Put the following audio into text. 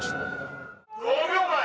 ５秒前！